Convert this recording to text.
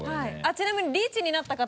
ちなみにリーチになった方